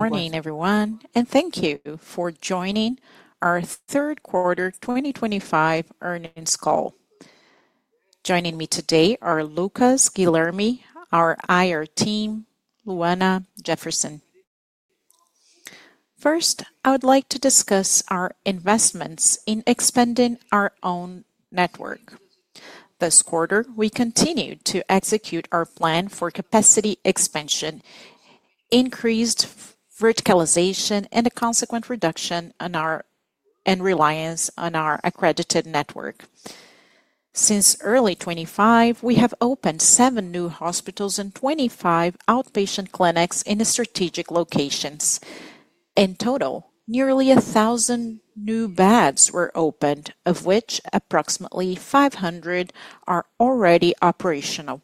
Morning, everyone, and thank you for joining our third quarter 2025 earnings call. Joining me today are Lucas Guilherme, our IR team, and Luana Jefferson. First, I would like to discuss our investments in expanding our own network. This quarter, we continued to execute our plan for capacity expansion, increased verticalization, and a consequent reduction in reliance on our accredited network. Since early 2025, we have opened seven new hospitals and 25 outpatient clinics in strategic locations. In total, nearly 1,000 new beds were opened, of which approximately 500 are already operational.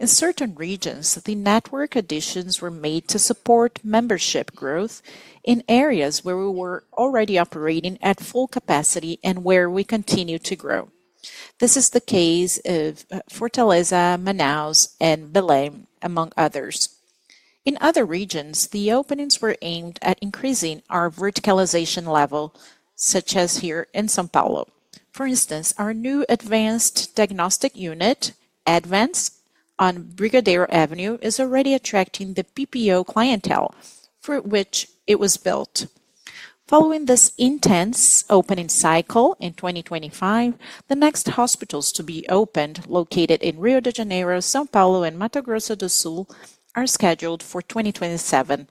In certain regions, the network additions were made to support membership growth in areas where we were already operating at full capacity and where we continue to grow. This is the case of Fortaleza, Manaus, and Belém, among others. In other regions, the openings were aimed at increasing our verticalization level, such as here in São Paulo. For instance, our new advanced diagnostic unit, Advanced, on Brigadeiro Avenue, is already attracting the PPO clientele for which it was built. Following this intense opening cycle in 2025, the next hospitals to be opened, located in Rio de Janeiro, São Paulo, and Mato Grosso do Sul, are scheduled for 2027.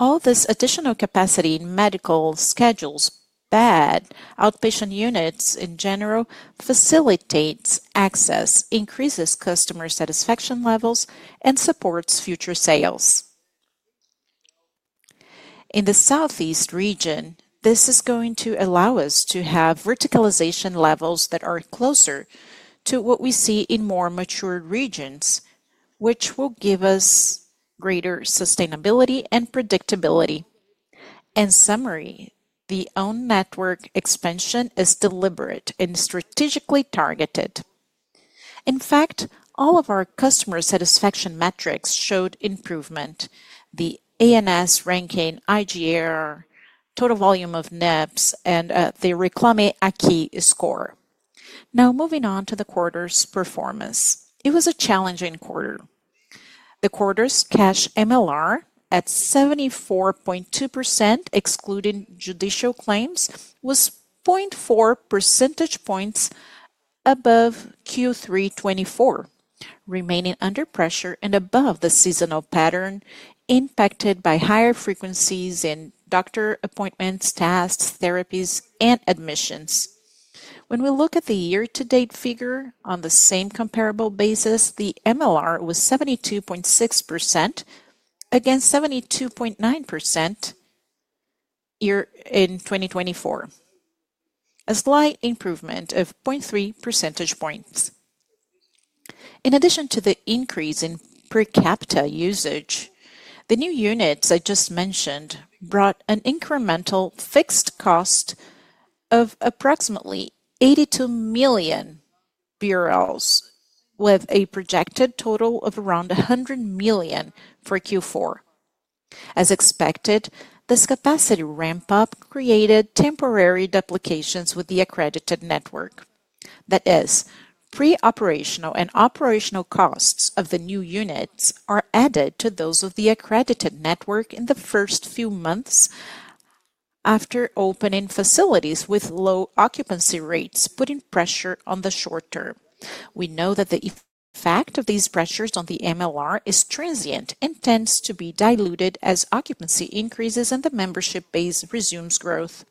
All this additional capacity in medical schedules, beds, outpatient units in general, facilitates access, increases customer satisfaction levels, and supports future sales. In the southeast region, this is going to allow us to have verticalization levels that are closer to what we see in more mature regions, which will give us greater sustainability and predictability. In summary, the own network expansion is deliberate and strategically targeted. In fact, all of our customer satisfaction metrics showed improvement: the ANS ranking, IGR, total volume of NEPS, and the Reclame Aqui Score. Now, moving on to the quarter's performance, it was a challenging quarter. The quarter's cash MLR at 74.2%, excluding judicial claims, was 0.4 percentage points above Q3 2024, remaining under pressure and above the seasonal pattern impacted by higher frequencies in doctor appointments, tests, therapies, and admissions. When we look at the year-to-date figure on the same comparable basis, the MLR was 72.6% against 72.9% in 2024, a slight improvement of 0.3 percentage points. In addition to the increase in per capita usage, the new units I just mentioned brought an incremental fixed cost of approximately 82 million BRL, with a projected total of around 100 million for Q4. As expected, this capacity ramp-up created temporary duplications with the accredited network. That is, pre-operational and operational costs of the new units are added to those of the accredited network in the first few months after opening facilities with low occupancy rates, putting pressure on the short term. We know that the effect of these pressures on the MLR is transient and tends to be diluted as occupancy increases and the membership base resumes growth.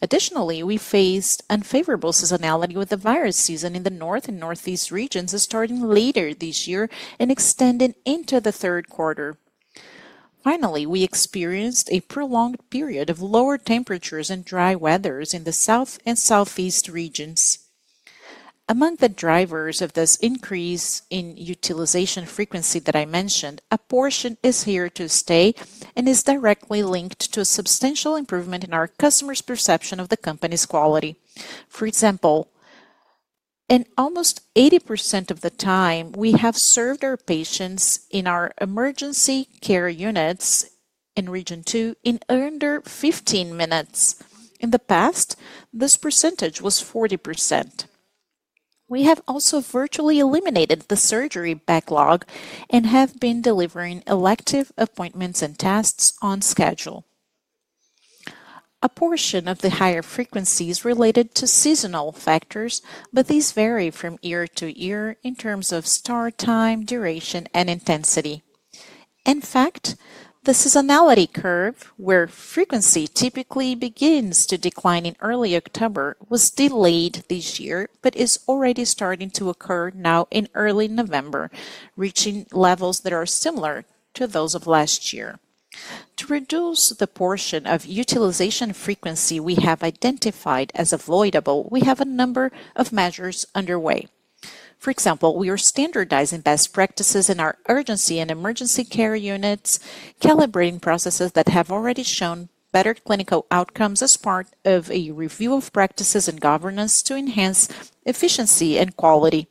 Additionally, we faced unfavorable seasonality with the virus season in the north and northeast regions, starting later this year and extending into the third quarter. Finally, we experienced a prolonged period of lower temperatures and dry weather in the south and southeast regions. Among the drivers of this increase in utilization frequency that I mentioned, a portion is here to stay and is directly linked to a substantial improvement in our customers' perception of the company's quality. For example, in almost 80% of the time, we have served our patients in our emergency care units in Region 2 in under 15 minutes. In the past, this percentage was 40%. We have also virtually eliminated the surgery backlog and have been delivering elective appointments and tests on schedule. A portion of the higher frequency is related to seasonal factors, but these vary from year-to-year in terms of start time, duration, and intensity. In fact, the seasonality curve, where frequency typically begins to decline in early October, was delayed this year but is already starting to occur now in early November, reaching levels that are similar to those of last year. To reduce the portion of utilization frequency we have identified as avoidable, we have a number of measures underway. For example, we are standardizing best practices in our urgency and emergency care units, calibrating processes that have already shown better clinical outcomes as part of a review of practices and governance to enhance efficiency and quality.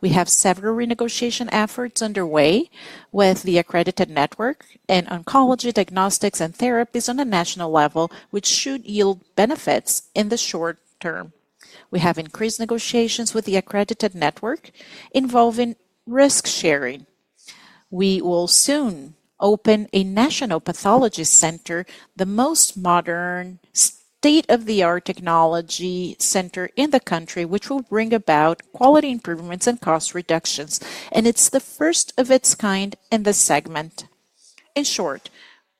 We have several renegotiation efforts underway with the accredited network and oncology diagnostics and therapies on a national level, which should yield benefits in the short term. We have increased negotiations with the accredited network involving risk sharing. We will soon open a national pathology center, the most modern state-of-the-art technology center in the country, which will bring about quality improvements and cost reductions, and it's the first of its kind in the segment. In short,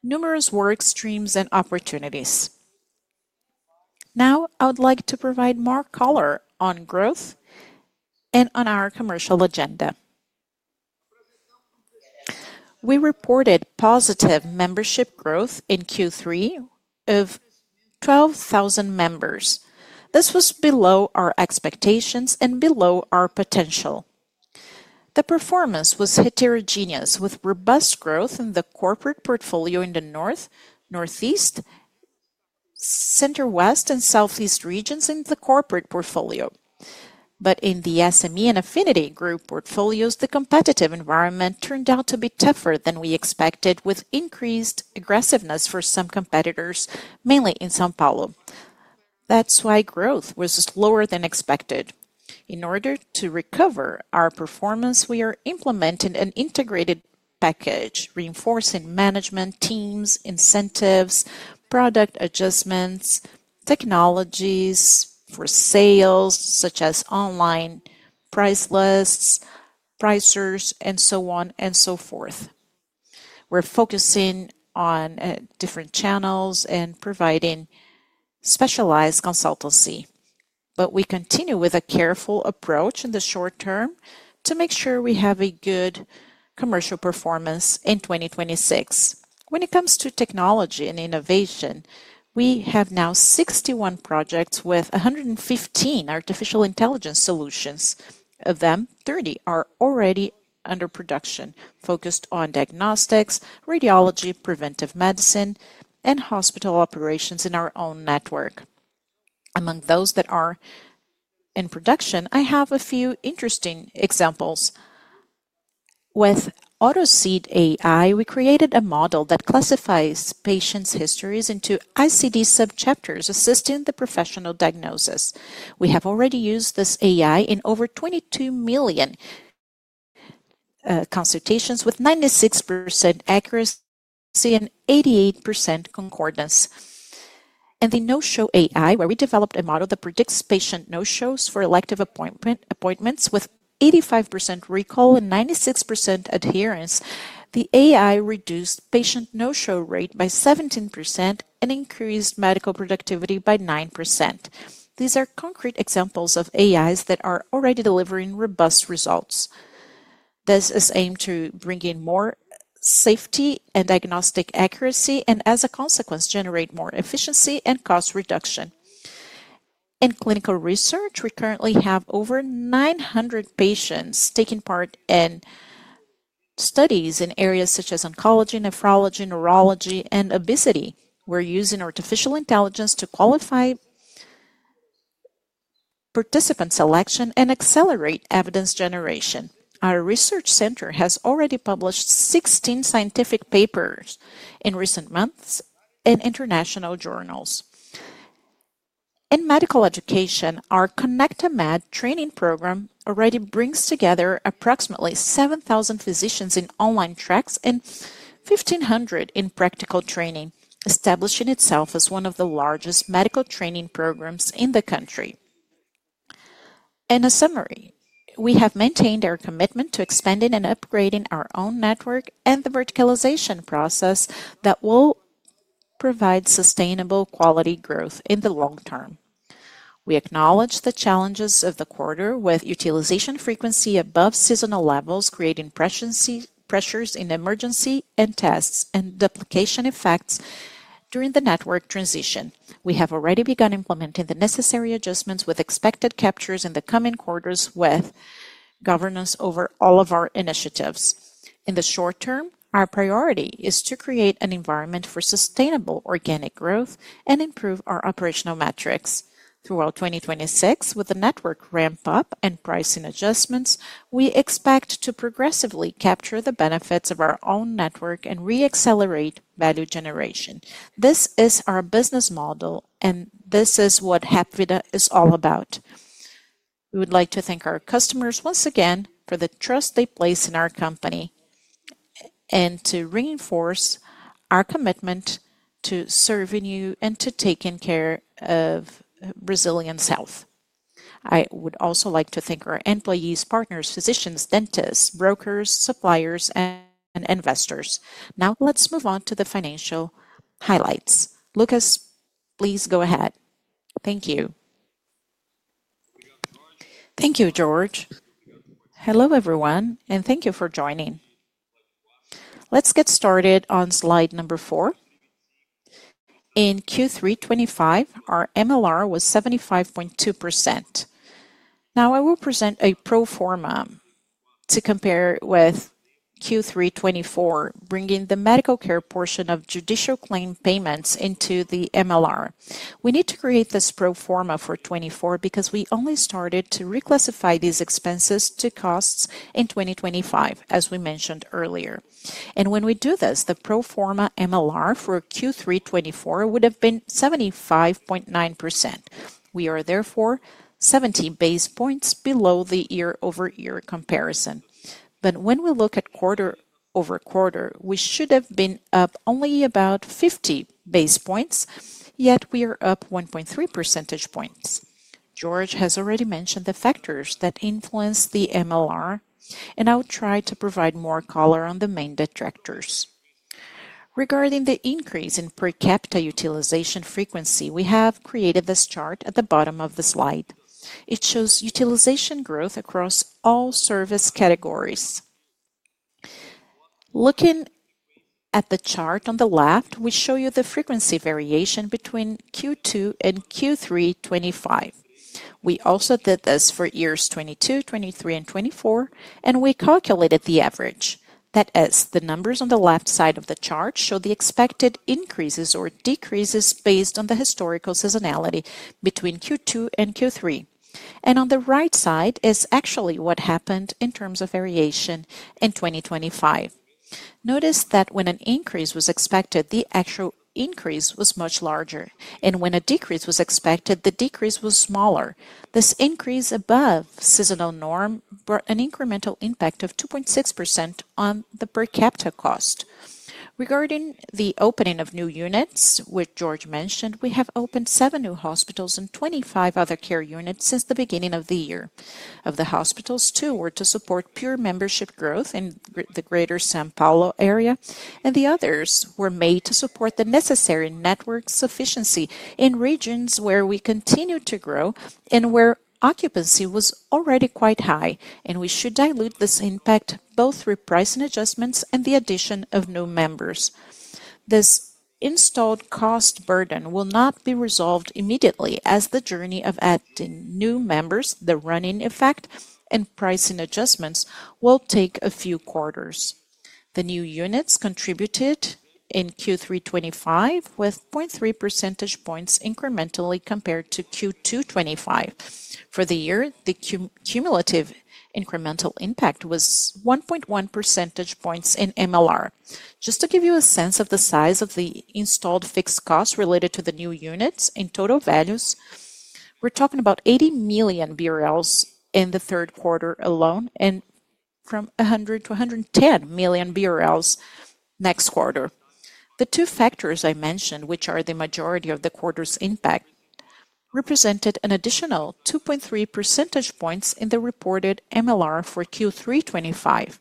numerous work streams and opportunities. Now, I would like to provide more color on growth and on our commercial agenda. We reported positive membership growth in Q3 of 12,000 members. This was below our expectations and below our potential. The performance was heterogeneous, with robust growth in the corporate portfolio in the north, northeast, center west, and southeast regions in the corporate portfolio. In the SME and Affinity Group portfolios, the competitive environment turned out to be tougher than we expected, with increased aggressiveness for some competitors, mainly in São Paulo. That is why growth was lower than expected. In order to recover our performance, we are implementing an integrated package reinforcing management teams, incentives, product adjustments, technologies for sales, such as online price lists, pricers, and so on and so forth. We are focusing on different channels and providing specialized consultancy, but we continue with a careful approach in the short term to make sure we have a good commercial performance in 2026. When it comes to technology and innovation, we have now 61 projects with 115 Artificial Intelligence solutions. Of them, 30 are already under production, focused on diagnostics, radiology, preventive medicine, and hospital operations in our own network. Among those that are in production, I have a few interesting examples. With AutoSeed AI, we created a model that classifies patients' histories into ICD subchapters, assisting the professional diagnosis. We have already used this AI in over 22 million consultations, with 96% accuracy and 88% concordance. In the No-Show AI, where we developed a model that predicts patient no-shows for elective appointments with 85% recall and 96% adherence, the AI reduced patient no-show rate by 17% and increased medical productivity by 9%. These are concrete examples of AIs that are already delivering robust results. This is aimed to bring in more safety and diagnostic accuracy and, as a consequence, generate more efficiency and cost reduction. In clinical research, we currently have over 900 patients taking part in studies in areas such as oncology, nephrology, neurology, and obesity. We're using Artificial Intelligence to qualify participant selection and accelerate evidence generation. Our research center has already published 16 scientific papers in recent months in international journals. In medical education, our ConnectaMed training program already brings together approximately 7,000 physicians in online tracks and 1,500 in practical training, establishing itself as one of the largest medical training programs in the country. In a summary, we have maintained our commitment to expanding and upgrading our own network and the verticalization process that will provide sustainable quality growth in the long term. We acknowledge the challenges of the quarter, with utilization frequency above seasonal levels creating pressures in emergency and tests and duplication effects during the network transition. We have already begun implementing the necessary adjustments with expected captures in the coming quarters, with governance over all of our initiatives. In the short term, our priority is to create an environment for sustainable organic growth and improve our operational metrics. Throughout 2026, with the network ramp-up and pricing adjustments, we expect to progressively capture the benefits of our own network and re-accelerate value generation. This is our business model, and this is what Hapvida is all about. We would like to thank our customers once again for the trust they place in our company and to reinforce our commitment to serving you and to taking care of Brazilian health. I would also like to thank our employees, partners, physicians, dentists, brokers, suppliers, and investors. Now, let's move on to the financial highlights. Lucas, please go ahead. Thank you. Thank you, George. Hello, everyone, and thank you for joining. Let's get started on slide number four. In Q3 2025, our MLR was 75.2%. Now, I will present a pro forma to compare with Q3 2024, bringing the medical care portion of judicial claim payments into the MLR. We need to create this pro forma for 2024 because we only started to reclassify these expenses to costs in 2025, as we mentioned earlier. When we do this, the pro forma MLR for Q3 2024 would have been 75.9%. We are therefore 70 basis points below the year-over-year comparison. When we look at quarter-over-quarter, we should have been up only about 50 basis points, yet we are up 1.3 percentage points. George has already mentioned the factors that influence the MLR, and I'll try to provide more color on the main detractors. Regarding the increase in per capita utilization frequency, we have created this chart at the bottom of the slide. It shows utilization growth across all service categories. Looking at the chart on the left, we show you the frequency variation between Q2 and Q3 2025. We also did this for years 2022, 2023, and 2024, and we calculated the average. That is, the numbers on the left side of the chart show the expected increases or decreases based on the historical seasonality between Q2 and Q3. On the right side is actually what happened in terms of variation in 2025. Notice that when an increase was expected, the actual increase was much larger, and when a decrease was expected, the decrease was smaller. This increase above seasonal norm brought an incremental impact of 2.6% on the per capita cost. Regarding the opening of new units, which George mentioned, we have opened seven new hospitals and 25 other care units since the beginning of the year. Of the hospitals, two were to support pure membership growth in the greater São Paulo area, and the others were made to support the necessary network sufficiency in regions where we continue to grow and where occupancy was already quite high, and we should dilute this impact both through pricing adjustments and the addition of new members. This installed cost burden will not be resolved immediately, as the journey of adding new members, the running effect, and pricing adjustments will take a few quarters. The new units contributed in Q3 2025 with 0.3 percentage points incrementally compared to Q2 2025. For the year, the cumulative incremental impact was 1.1 percentage points in MLR. Just to give you a sense of the size of the installed fixed costs related to the new units in total values, we're talking about 80 million BRL in the third quarter alone and from 100 million to 110 million BRL next quarter. The two factors I mentioned, which are the majority of the quarter's impact, represented an additional 2.3 percentage points in the reported MLR for Q3 2025.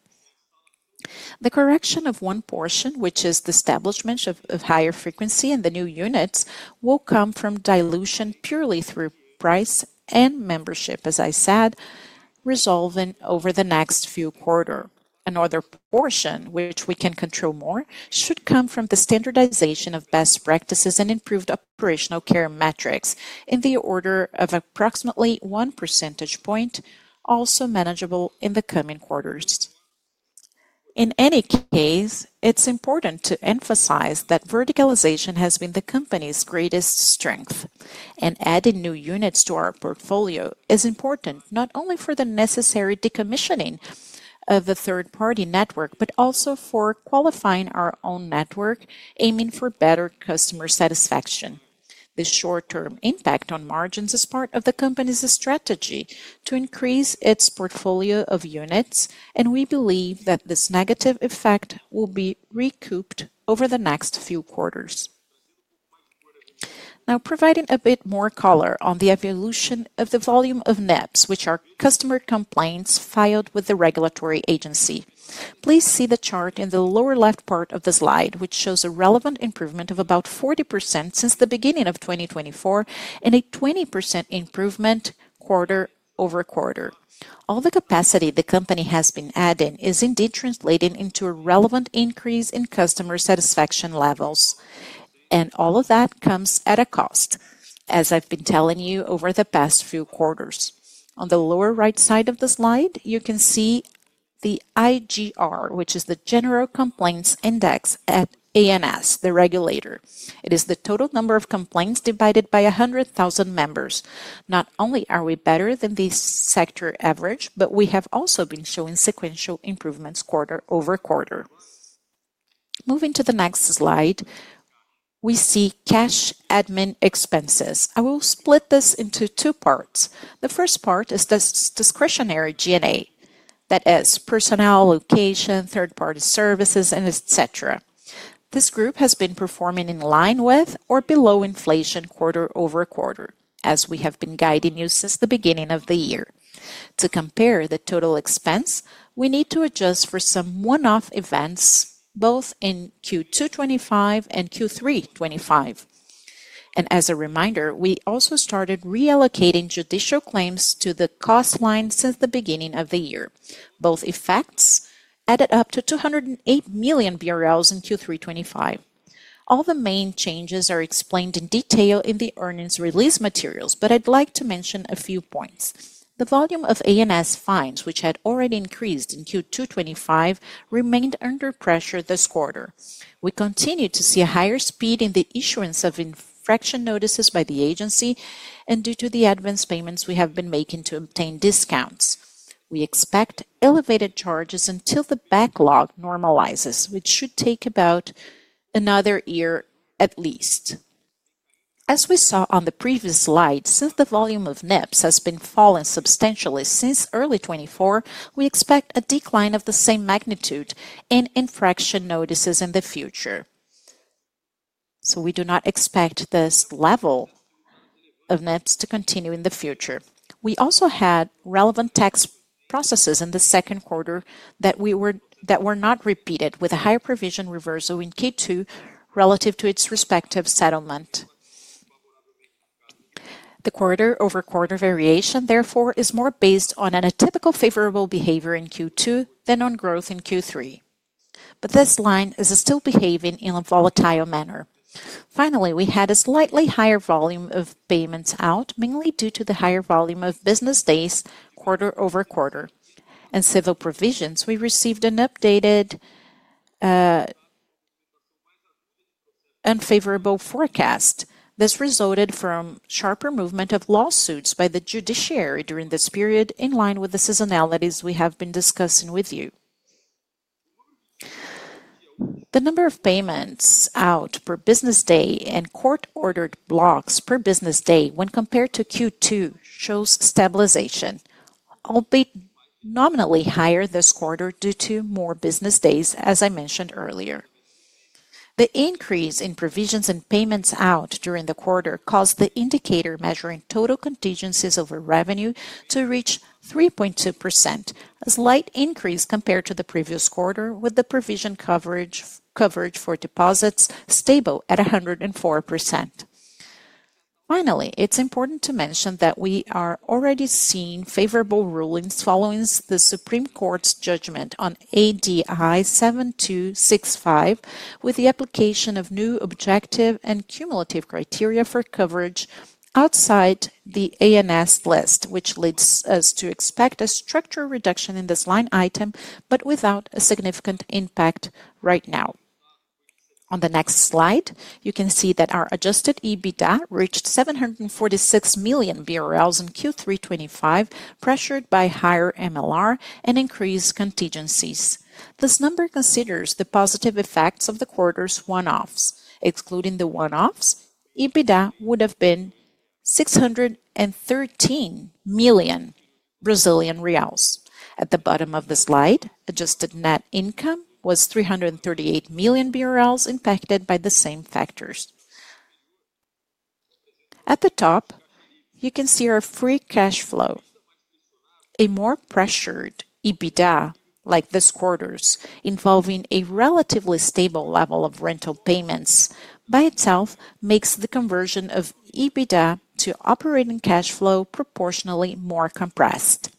The correction of one portion, which is the establishment of higher frequency in the new units, will come from dilution purely through price and membership, as I said, resolving over the next few quarters. Another portion, which we can control more, should come from the standardization of best practices and improved operational care metrics in the order of approximately 1 percentage point, also manageable in the coming quarters. In any case, it's important to emphasize that verticalization has been the company's greatest strength, and adding new units to our portfolio is important not only for the necessary decommissioning of the third-party network, but also for qualifying our own network, aiming for better customer satisfaction. The short-term impact on margins is part of the company's strategy to increase its portfolio of units, and we believe that this negative effect will be recouped over the next few quarters. Now, providing a bit more color on the evolution of the volume of NEPs, which are customer complaints filed with the regulatory agency. Please see the chart in the lower left part of the slide, which shows a relevant improvement of about 40% since the beginning of 2024 and a 20% improvement quarter-over-quarter. All the capacity the company has been adding is indeed translating into a relevant increase in customer satisfaction levels, and all of that comes at a cost, as I've been telling you over the past few quarters. On the lower right side of the slide, you can see the IGR, which is the General Complaints Index at ANS, the regulator. It is the total number of complaints divided by 100,000 members. Not only are we better than the sector average, but we have also been showing sequential improvements quarter-over-quarter. Moving to the next slide, we see cash admin expenses. I will split this into two parts. The first part is this discretionary G&A. That is, personnel, location, third-party services, and et cetera. This group has been performing in line with or below inflation quarter-over-quarter, as we have been guiding you since the beginning of the year. To compare the total expense, we need to adjust for some one-off events both in Q2 2025 and Q3 2025. As a reminder, we also started reallocating judicial claims to the cost line since the beginning of the year. Both effects added up to 208 million BRL in Q3 2025. All the main changes are explained in detail in the earnings release materials, but I'd like to mention a few points. The volume of ANS fines, which had already increased in Q2 2025, remained under pressure this quarter. We continue to see a higher speed in the issuance of infraction notices by the agency and due to the advance payments we have been making to obtain discounts. We expect elevated charges until the backlog normalizes, which should take about another year at least. As we saw on the previous slide, since the volume of NEPs has been falling substantially since early 2024, we expect a decline of the same magnitude in infraction notices in the future. We do not expect this level of NEPs to continue in the future. We also had relevant tax processes in the second quarter that were not repeated, with a higher provision reversal in Q2 relative to its respective settlement. The quarter-over-quarter variation, therefore, is more based on a typical favorable behavior in Q2 than on growth in Q3. This line is still behaving in a volatile manner. Finally, we had a slightly higher volume of payments out, mainly due to the higher volume of business days quarter-over-quarter. In civil provisions, we received an updated unfavorable forecast. This resulted from sharper movement of lawsuits by the judiciary during this period in line with the seasonalities we have been discussing with you. The number of payments out per business day and court-ordered blocks per business day when compared to Q2 shows stabilization, albeit nominally higher this quarter due to more business days, as I mentioned earlier. The increase in provisions and payments out during the quarter caused the indicator measuring total contingencies over revenue to reach 3.2%, a slight increase compared to the previous quarter, with the provision coverage for deposits stable at 104%. Finally, it's important to mention that we are already seeing favorable rulings following the Supreme Court's judgment on ADI 7265, with the application of new objective and cumulative criteria for coverage outside the ANS list, which leads us to expect a structural reduction in this line item, but without a significant impact right now. On the next slide, you can see that our Adjusted EBITDA reached 746 million BRL in Q3 2025, pressured by higher MLR and increased contingencies. This number considers the positive effects of the quarter's one-offs. Excluding the one-offs, EBITDA would have been 613 million Brazilian reais. At the bottom of the slide, adjusted net income was 338 million BRL impacted by the same factors. At the top, you can see our Free Cash Flow. A more pressured EBITDA, like this quarter's, involving a relatively stable level of rental payments by itself makes the conversion of EBITDA to operating cash flow proportionally more compressed.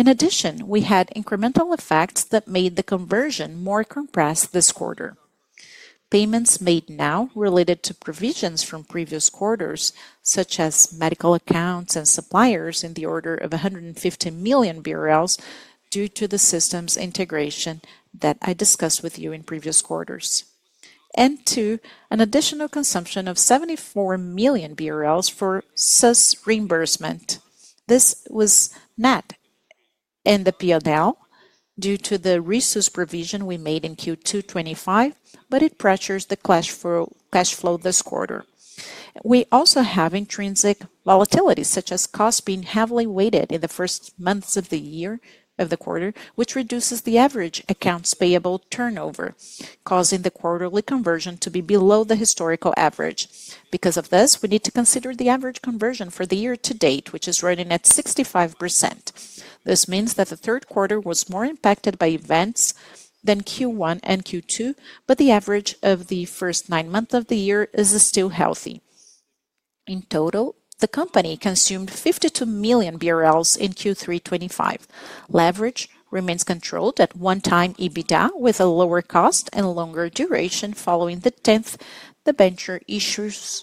In addition, we had incremental effects that made the conversion more compressed this quarter. Payments made now related to provisions from previous quarters, such as medical accounts and suppliers, in the order of 150 million BRL due to the systems integration that I discussed with you in previous quarters. Two, an additional consumption of 74 million BRL for SIS reimbursement. This was not in the P&L due to the resource provision we made in Q2 2025, but it pressures the cash flow this quarter. We also have intrinsic volatility, such as costs being heavily weighted in the first months of the year of the quarter, which reduces the average accounts payable turnover, causing the quarterly conversion to be below the historical average. Because of this, we need to consider the average conversion for the year-to-date, which is running at 65%. This means that the third quarter was more impacted by events than Q1 and Q2, but the average of the first nine months of the year is still healthy. In total, the company consumed 52 million BRL in Q3 2025. Leverage remains controlled at one-time EBITDA with a lower cost and longer duration following the 10th, the venture issuance,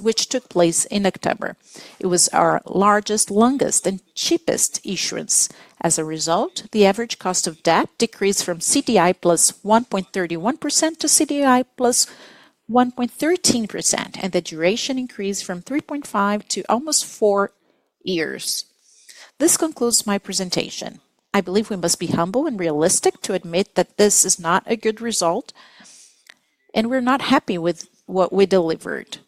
which took place in October. It was our largest, longest, and cheapest issuance. As a result, the average cost of debt decreased from CDI plus 1.31% to CDI plus 1.13%, and the duration increased from 3.5 to almost four years. This concludes my presentation. I believe we must be humble and realistic to admit that this is not a good result, and we're not happy with what we delivered.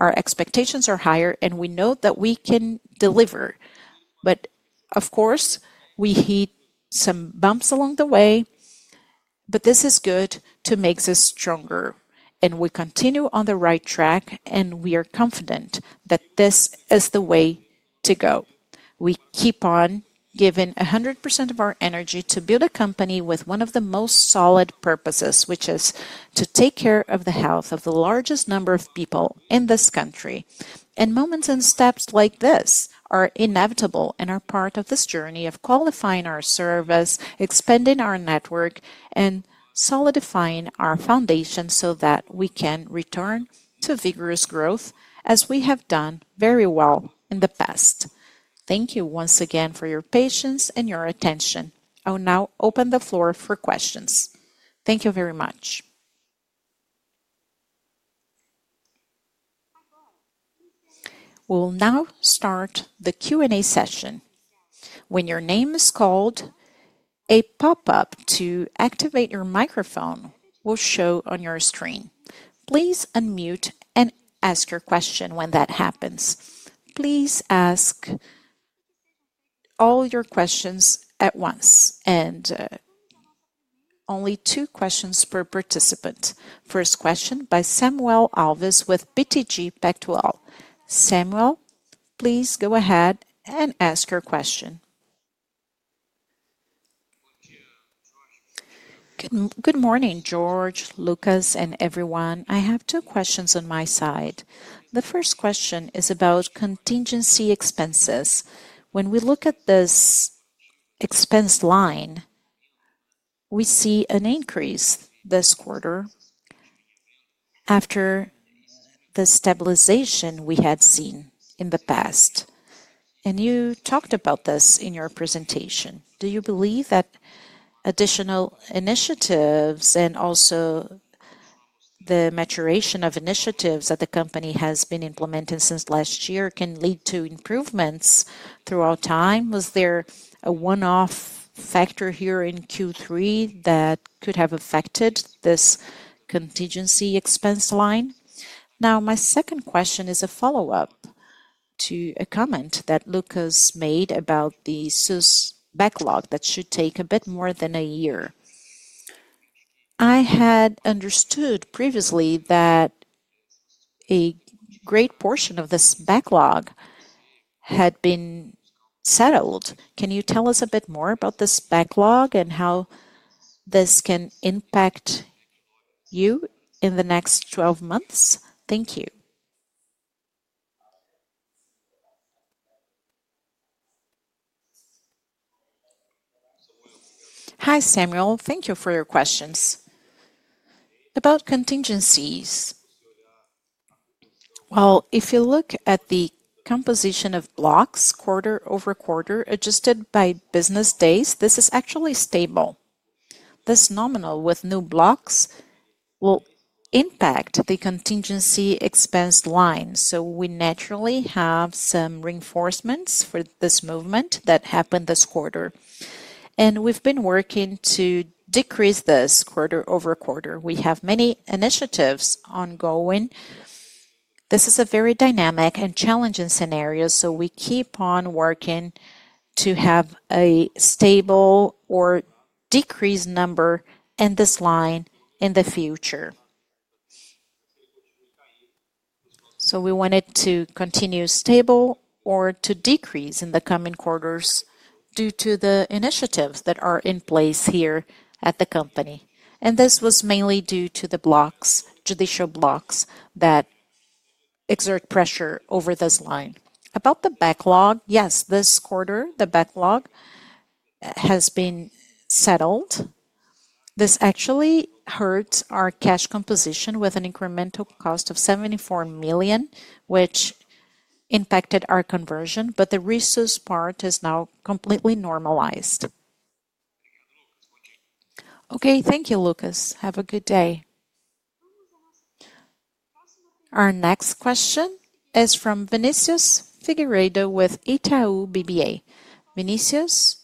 Our expectations are higher, and we know that we can deliver. Of course, we hit some bumps along the way, but this is good to make us stronger, and we continue on the right track, and we are confident that this is the way to go. We keep on giving 100% of our energy to build a company with one of the most solid purposes, which is to take care of the health of the largest number of people in this country. Moments and steps like this are inevitable and are part of this journey of qualifying our service, expanding our network, and solidifying our foundation so that we can return to vigorous growth, as we have done very well in the past. Thank you once again for your patience and your attention. I'll now open the floor for questions. Thank you very much. We'll now start the Q&A session. When your name is called, a pop-up to activate your microphone will show on your screen. Please unmute and ask your question when that happens. Please ask all your questions at once, and only two questions per participant. First question by Samuel Alves with BTG Pactual. Samuel, please go ahead and ask your question. Good morning, George, Lucas, and everyone. I have two questions on my side. The first question is about contingency expenses. When we look at this expense line, we see an increase this quarter after the stabilization we had seen in the past. You talked about this in your presentation. Do you believe that additional initiatives and also the maturation of initiatives that the company has been implementing since last year can lead to improvements throughout time? Was there a one-off factor here in Q3 that could have affected this contingency expense line? Now, my second question is a follow-up to a comment that Lucas made about the SIS backlog that should take a bit more than a year. I had understood previously that a great portion of this backlog had been settled. Can you tell us a bit more about this backlog and how this can impact you in the next 12 months? Thank you. Hi, Samuel. Thank you for your questions. About contingencies, if you look at the composition of blocks quarter-over-quarter adjusted by business days, this is actually stable. This nominal with new blocks will impact the contingency expense line, so we naturally have some reinforcements for this movement that happened this quarter. We have been working to decrease this quarter-over-quarter. We have many initiatives ongoing. This is a very dynamic and challenging scenario, so we keep on working to have a stable or decreased number in this line in the future. We want it to continue stable or to decrease in the coming quarters due to the initiatives that are in place here at the company. This was mainly due to the blocks, judicial blocks that exert pressure over this line. About the backlog, yes, this quarter, the backlog has been settled. This actually hurt our cash composition with an incremental cost of 74 million, which impacted our conversion, but the resource part is now completely normalized. Okay, thank you, Lucas. Have a good day. Our next question is from Vinicius Figueiredo with Itaú BBA. Vinicius,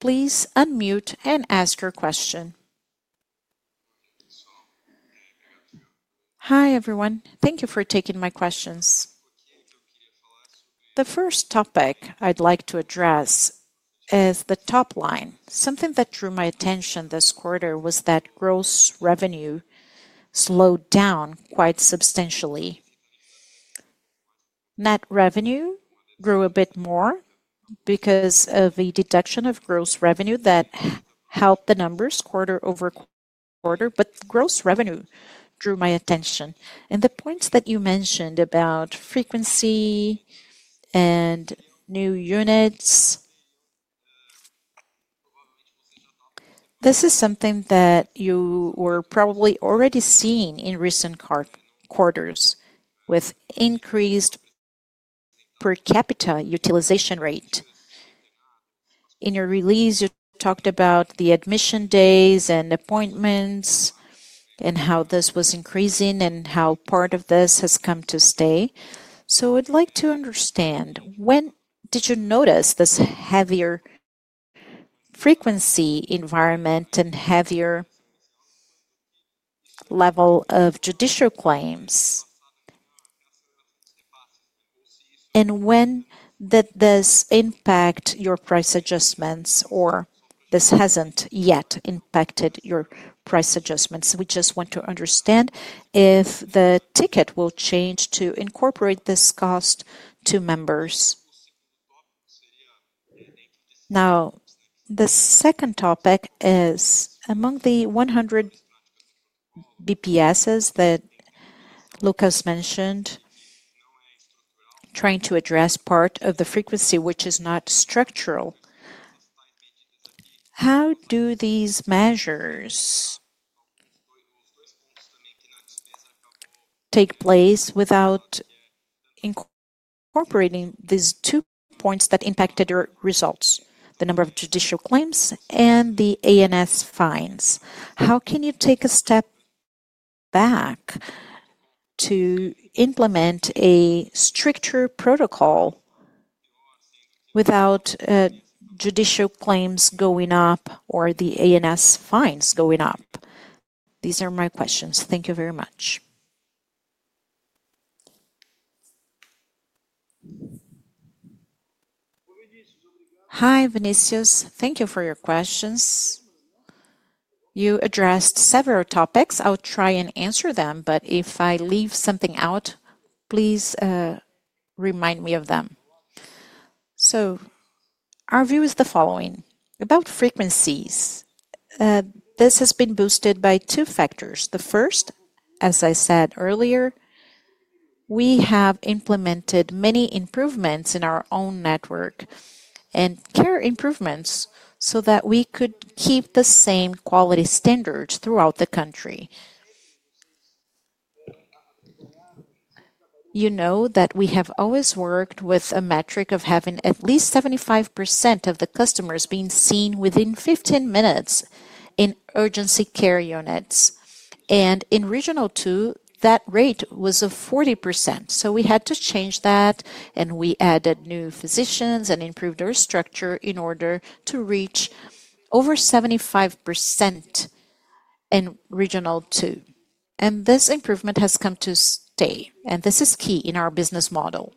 please unmute and ask your question. Hi everyone. Thank you for taking my questions. The first topic I'd like to address is the top line. Something that drew my attention this quarter was that gross revenue slowed down quite substantially. Net revenue grew a bit more because of a deduction of gross revenue that helped the numbers quarter-over-quarter, but gross revenue drew my attention. The points that you mentioned about frequency and new units, this is something that you were probably already seeing in recent quarters with increased per capita utilization rate. In your release, you talked about the admission days and appointments and how this was increasing and how part of this has come to stay. I would like to understand, when did you notice this heavier frequency environment and heavier level of judicial claims? When did this impact your price adjustments, or this has not yet impacted your price adjustments? We just want to understand if the ticket will change to incorporate this cost to members. Now, the second topic is, among the 100 basis points that Lucas mentioned, trying to address part of the frequency, which is not structural, how do these measures take place without incorporating these two points that impacted your results? The number of judicial claims and the ANS fines. How can you take a step back to implement a stricter protocol without judicial claims going up or the ANS fines going up? These are my questions. Thank you very much. Hi, Vinicius. Thank you for your questions. You addressed several topics. I'll try and answer them, but if I leave something out, please remind me of them. Our view is the following about frequencies. This has been boosted by two factors. The first, as I said earlier, we have implemented many improvements in our own network and care improvements so that we could keep the same quality standards throughout the country. You know that we have always worked with a metric of having at least 75% of the customers being seen within 15 minutes in urgency care units. In regional two, that rate was 40%. We had to change that, and we added new physicians and improved our structure in order to reach over 75% in regional two. This improvement has come to stay, and this is key in our business model.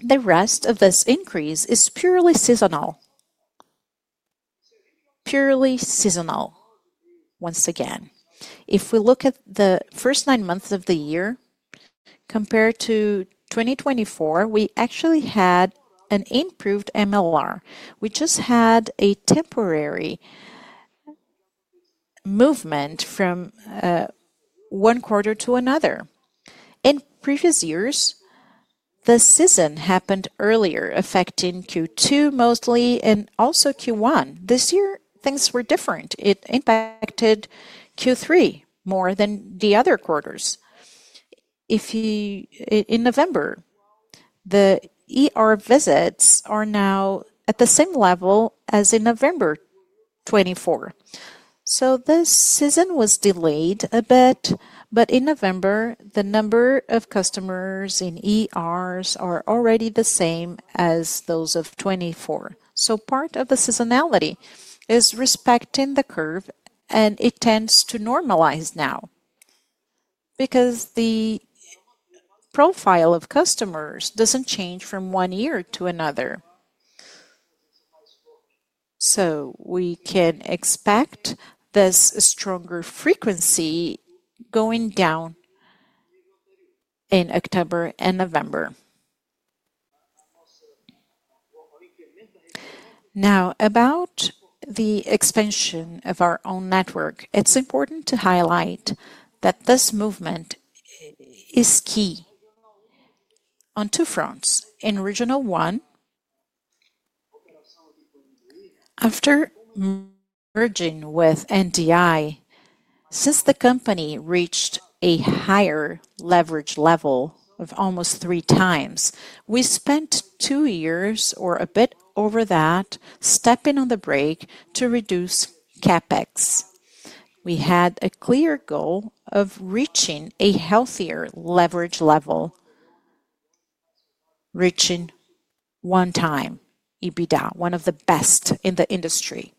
The rest of this increase is purely seasonal. Purely seasonal, once again. If we look at the first nine months of the year compared to 2024, we actually had an improved MLR. We just had a temporary movement from one quarter to another. In previous years, the season happened earlier, affecting Q2 mostly and also Q1. This year, things were different. It impacted Q3 more than the other quarters. In November, the visits are now at the same level as in November 2024. This season was delayed a bit, but in November, the number of customers in ERs is already the same as those of 2024. Part of the seasonality is respecting the curve, and it tends to normalize now because the profile of customers does not change from one year to another. We can expect this stronger frequency going down in October and November. Now, about the expansion of our own network, it is important to highlight that this movement is key on two fronts. In regional one, after merging with NDI, since the company reached a higher leverage level of almost three times, we spent two years or a bit over that stepping on the brake to reduce CapEx. We had a clear goal of reaching a healthier leverage level, reaching one-time EBITDA, one of the best in the industry.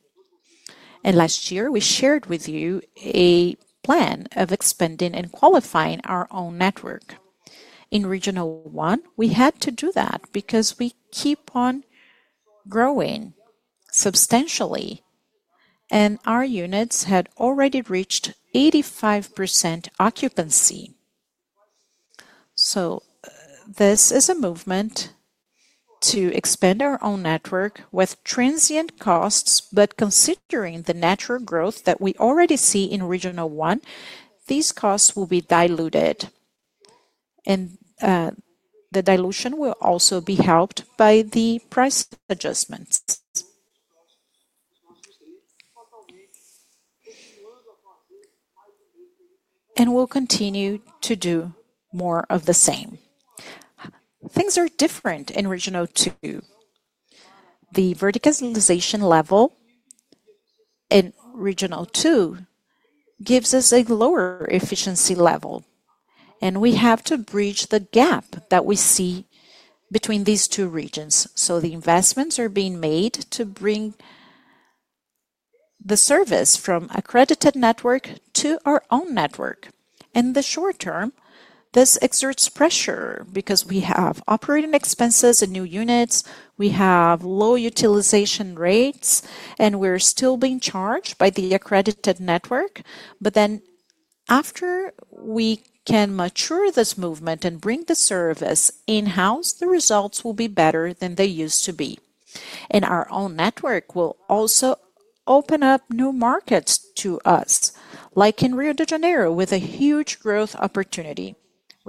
Last year, we shared with you a plan of expanding and qualifying our own network. In regional one, we had to do that because we keep on growing substantially, and our units had already reached 85% occupancy. This is a movement to expand our own network with transient costs, but considering the natural growth that we already see in regional one, these costs will be diluted, and the dilution will also be helped by the price adjustments. We will continue to do more of the same. Things are different in regional two. The verticalization level in regional two gives us a lower efficiency level, and we have to bridge the gap that we see between these two regions. The investments are being made to bring the service from accredited network to our own network. In the short term, this exerts pressure because we have operating expenses and new units, we have low utilization rates, and we're still being charged by the accredited network. After we can mature this movement and bring the service in-house, the results will be better than they used to be. Our own network will also open up new markets to us, like in Rio de Janeiro, with a huge growth opportunity.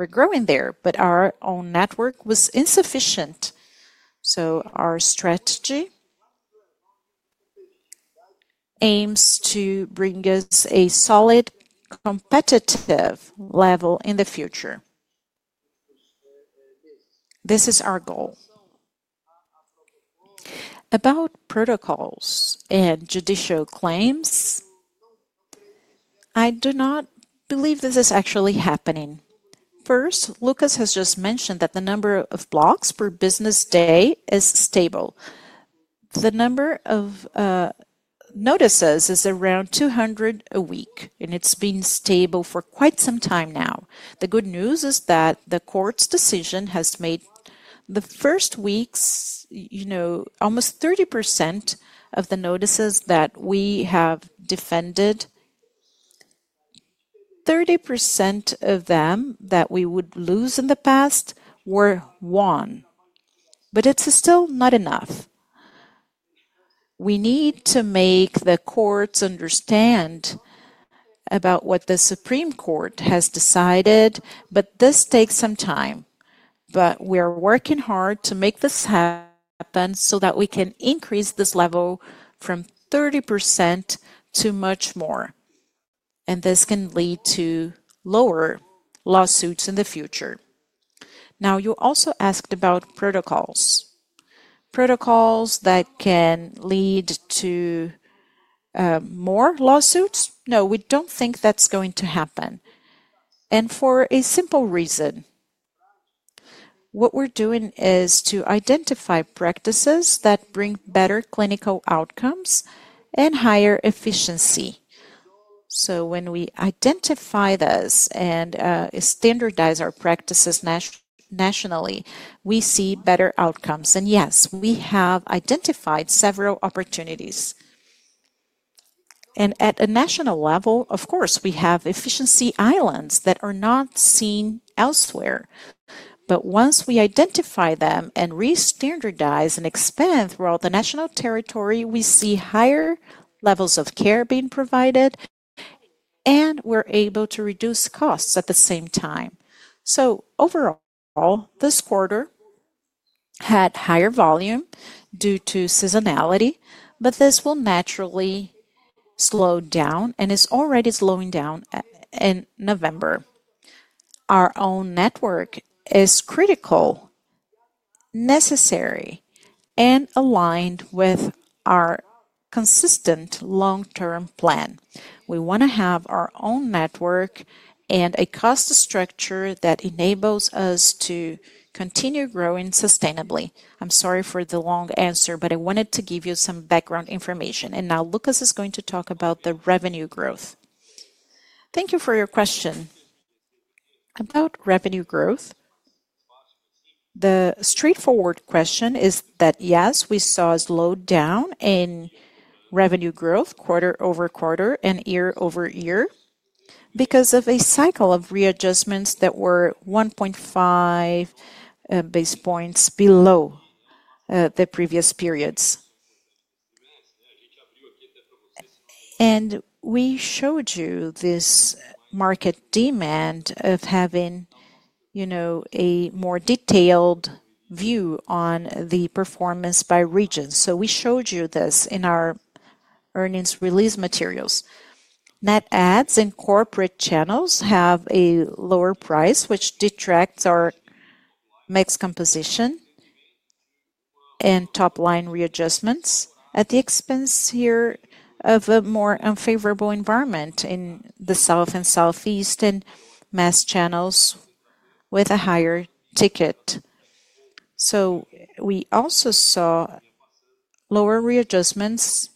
We're growing there, but our own network was insufficient. Our strategy aims to bring us a solid competitive level in the future. This is our goal. About protocols and judicial claims, I do not believe this is actually happening. First, Lucas has just mentioned that the number of blocks per business day is stable. The number of notices is around 200 a week, and it's been stable for quite some time now. The good news is that the court's decision has made the first weeks, you know, almost 30% of the notices that we have defended, 30% of them that we would lose in the past were won. It is still not enough. We need to make the courts understand about what the Supreme Court has decided, but this takes some time. We are working hard to make this happen so that we can increase this level from 30% to much more. This can lead to lower lawsuits in the future. Now, you also asked about protocols. Protocols that can lead to more lawsuits. No, we don't think that's going to happen. For a simple reason. What we're doing is to identify practices that bring better clinical outcomes and higher efficiency. When we identify this and standardize our practices nationally, we see better outcomes. Yes, we have identified several opportunities. At a national level, of course, we have efficiency islands that are not seen elsewhere. Once we identify them and re-standardize and expand throughout the national territory, we see higher levels of care being provided, and we are able to reduce costs at the same time. Overall, this quarter had higher volume due to seasonality, but this will naturally slow down and is already slowing down in November. Our own network is critical, necessary, and aligned with our consistent long-term plan. We want to have our own network and a cost structure that enables us to continue growing sustainably. I'm sorry for the long answer, but I wanted to give you some background information. Now, Lucas is going to talk about the revenue growth. Thank you for your question. About revenue growth, the straightforward question is that yes, we saw a slowdown in revenue growth quarter-over-quarter and year over year because of a cycle of readjustments that were 1.5 basis points below the previous periods. We showed you this market demand of having, you know, a more detailed view on the performance by region. We showed you this in our earnings release materials. Net ads and corporate channels have a lower price, which detracts our mix composition and top-line readjustments at the expense here of a more unfavorable environment in the South and Southeast and mass channels with a higher ticket. We also saw lower readjustments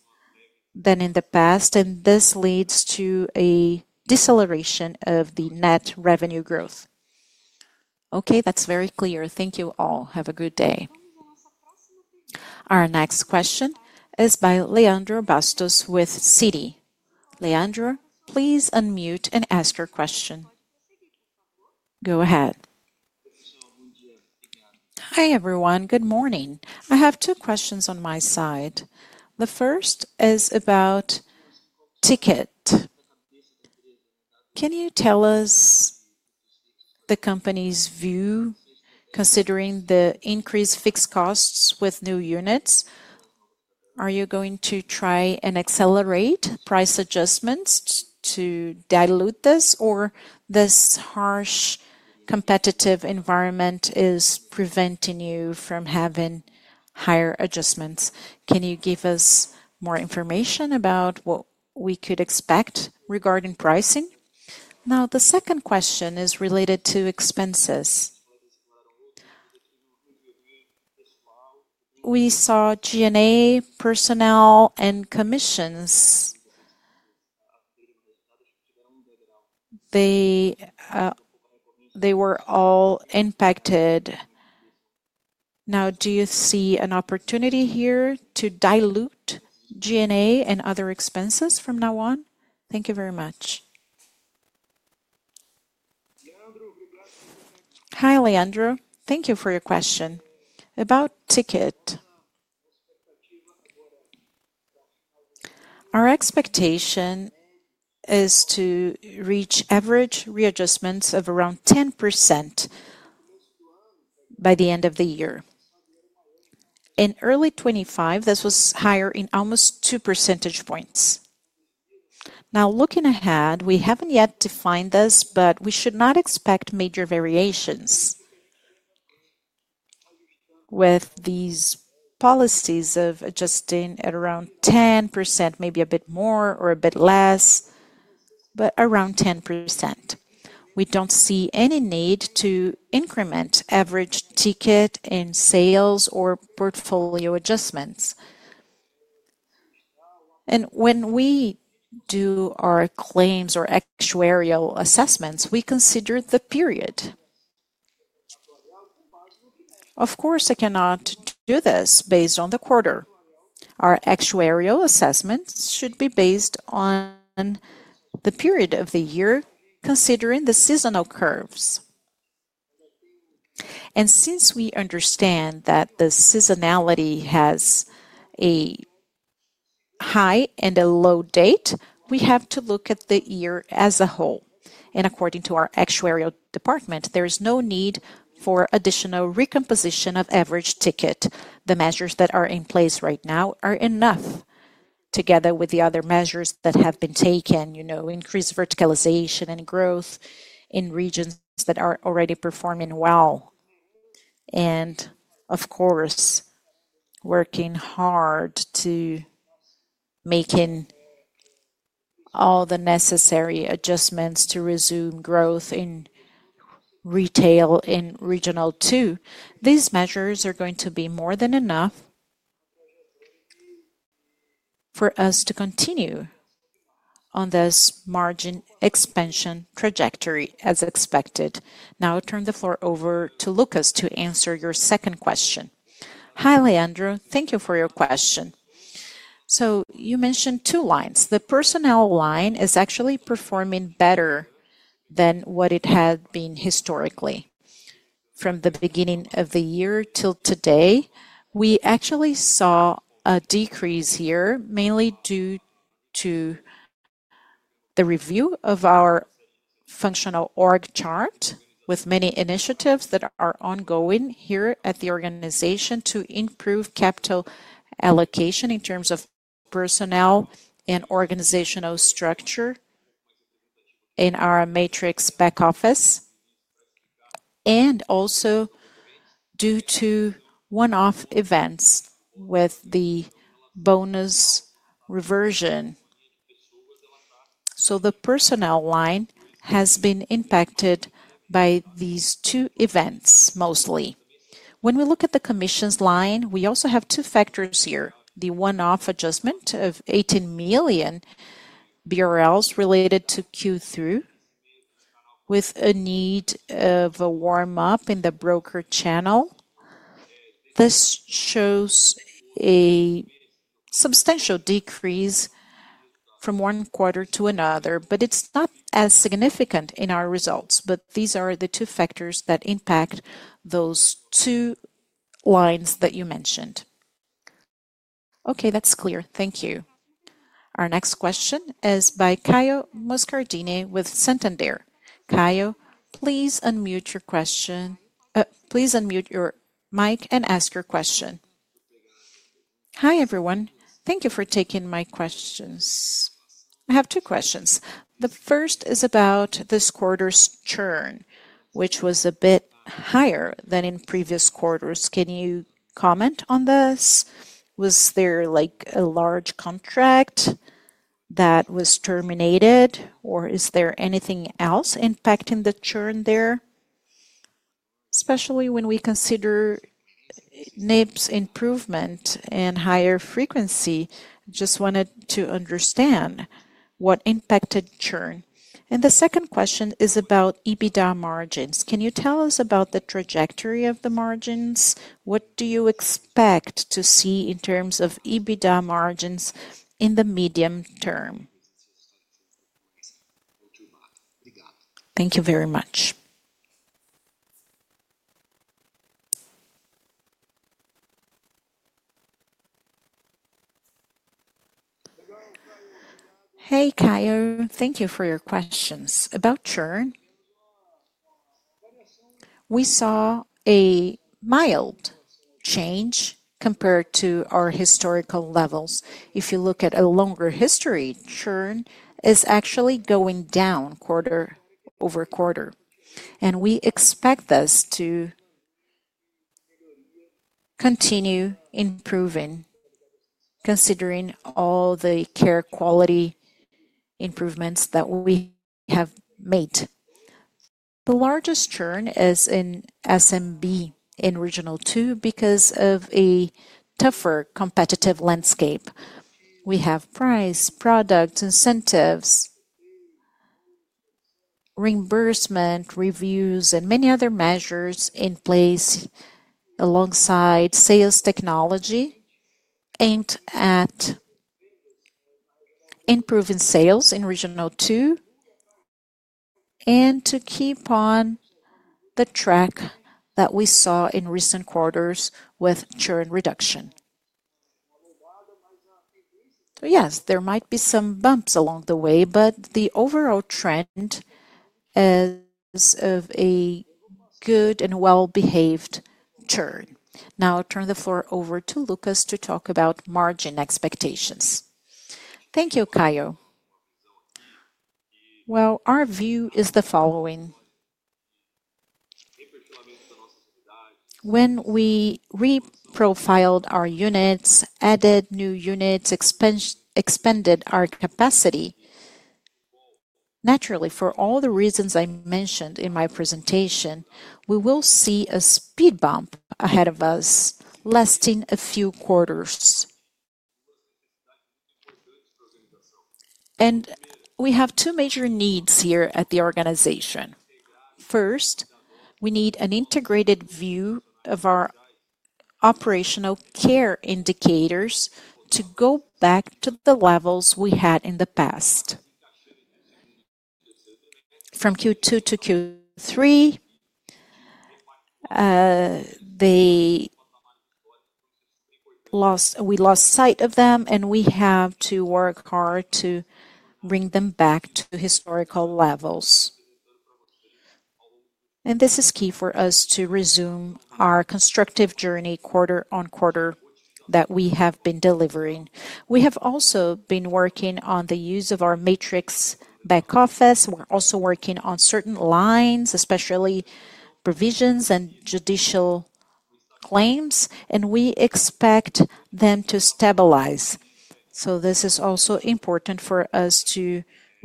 than in the past, and this leads to a deceleration of the net revenue growth. Okay, that's very clear. Thank you all. Have a good day. Our next question is by Leandro Bastos with Citi. Leandro, please unmute and ask your question. Go ahead. Hi everyone, good morning. I have two questions on my side. The first is about ticket. Can you tell us the company's view considering the increased fixed costs with new units? Are you going to try and accelerate price adjustments to dilute this, or this harsh competitive environment is preventing you from having higher adjustments? Can you give us more information about what we could expect regarding pricing? Now, the second question is related to expenses. We saw G&A, personnel, and commissions. They were all impacted. Now, do you see an opportunity here to dilute G&A and other expenses from now on? Thank you very much. Hi, Leandro. Thank you for your question. About ticket. Our expectation is to reach average readjustments of around 10% by the end of the year. In early 2025, this was higher in almost two percentage points. Now, looking ahead, we have not yet defined this, but we should not expect major variations with these policies of adjusting at around 10%, maybe a bit more or a bit less, but around 10%. We do not see any need to increment average ticket in sales or portfolio adjustments. And when we do our claims or actuarial assessments, we consider the period. Of course, I cannot do this based on the quarter. Our actuarial assessments should be based on the period of the year, considering the seasonal curves. Since we understand that the seasonality has a high and a low date, we have to look at the year as a whole. According to our actuarial department, there is no need for additional recomposition of average ticket. The measures that are in place right now are enough, together with the other measures that have been taken, you know, increased verticalization and growth in regions that are already performing well. Of course, working hard to make all the necessary adjustments to resume growth in retail in regional two. These measures are going to be more than enough for us to continue on this margin expansion trajectory as expected. Now, I'll turn the floor over to Lucas to answer your second question. Hi, Leandro. Thank you for your question. You mentioned two lines. The personnel line is actually performing better than what it had been historically. From the beginning of the year till today, we actually saw a decrease here, mainly due to the review of our functional org chart with many initiatives that are ongoing here at the organization to improve capital allocation in terms of personnel and organizational structure in our matrix back office, and also due to one-off events with the bonus reversion. So the personnel line has been impacted by these two events mostly. When we look at the commissions line, we also have two factors here. The one-off adjustment of 18 million BRL related to Q3, with a need of a warm-up in the broker channel. This shows a substantial decrease from one quarter to another, but it's not as significant in our results. These are the two factors that impact those two lines that you mentioned. Okay, that's clear. Thank you. Our next question is by Caio Moscardini with Santander. Caio, please unmute your question. Please unmute your mic and ask your question. Hi everyone. Thank you for taking my questions. I have two questions. The first is about this quarter's churn, which was a bit higher than in previous quarters. Can you comment on this? Was there like a large contract that was terminated, or is there anything else impacting the churn there, especially when we consider NIBS improvement and higher frequency? Just wanted to understand what impacted churn. The second question is about EBITDA margins. Can you tell us about the trajectory of the margins? What do you expect to see in terms of EBITDA margins in the medium term? Thank you very much. Hey, Caio. Thank you for your questions. About churn, we saw a mild change compared to our historical levels. If you look at a longer history, churn is actually going down quarter-over-quarter. We expect this to continue improving, considering all the care quality improvements that we have made. The largest churn is in SMB in regional two because of a tougher competitive landscape. We have price, product, incentives, reimbursement, reviews, and many other measures in place alongside sales technology aimed at improving sales in regional two and to keep on the track that we saw in recent quarters with churn reduction. Yes, there might be some bumps along the way, but the overall trend is of a good and well-behaved churn. Now, I'll turn the floor over to Lucas to talk about margin expectations. Thank you, Caio. Our view is the following. When we reprofiled our units, added new units, expanded our capacity, naturally, for all the reasons I mentioned in my presentation, we will see a speed bump ahead of us lasting a few quarters. We have two major needs here at the organization. First, we need an integrated view of our operational care indicators to go back to the levels we had in the past. From Q2 to Q3, we lost sight of them, and we have to work hard to bring them back to historical levels. This is key for us to resume our constructive journey quarter-on-quarter that we have been delivering. We have also been working on the use of our matrix back office. We are also working on certain lines, especially provisions and judicial claims, and we expect them to stabilize. This is also important for us to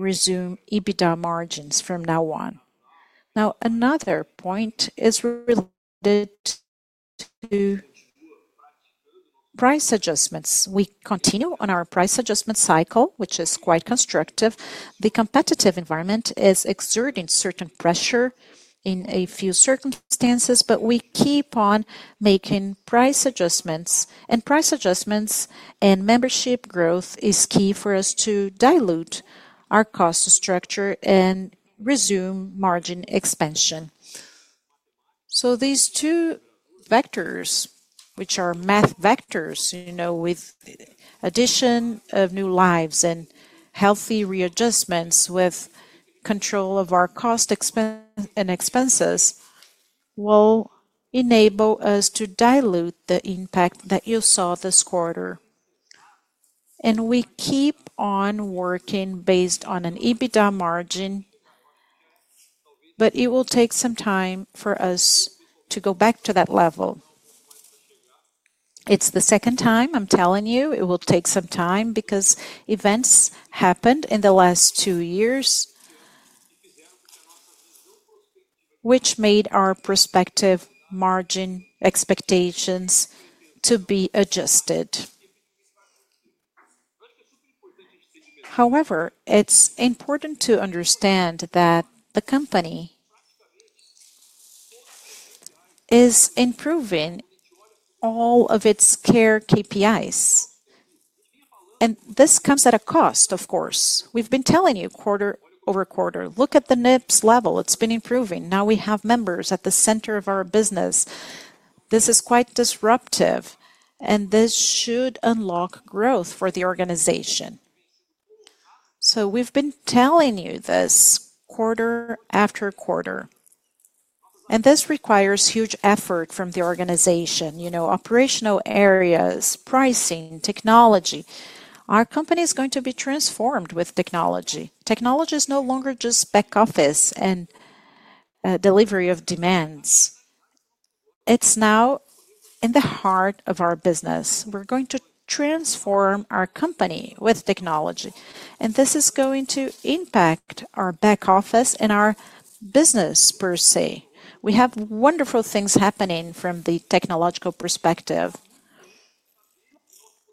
resume EBITDA margins from now on. Another point is related to price adjustments. We continue on our price adjustment cycle, which is quite constructive. The competitive environment is exerting certain pressure in a few circumstances, but we keep on making price adjustments, and price adjustments and membership growth is key for us to dilute our cost structure and resume margin expansion. These two vectors, which are math vectors, you know, with addition of new lives and healthy readjustments with control of our cost and expenses, will enable us to dilute the impact that you saw this quarter. We keep on working based on an EBITDA margin, but it will take some time for us to go back to that level. It's the second time, I'm telling you, it will take some time because events happened in the last two years, which made our prospective margin expectations to be adjusted. However, it's important to understand that the company is improving all of its care KPIs. And this comes at a cost, of course. We've been telling you quarter-over-quarter. Look at the NPS level. It's been improving. Now we have members at the center of our business. This is quite disruptive, and this should unlock growth for the organization. We've been telling you this quarter after quarter. This requires huge effort from the organization, you know, operational areas, pricing, technology. Our company is going to be transformed with technology. Technology is no longer just back office and delivery of demands. It's now in the heart of our business. We're going to transform our company with technology. This is going to impact our back office and our business per se. We have wonderful things happening from the technological perspective.